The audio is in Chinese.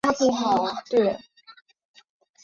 糠醛的物性已在右表中列出。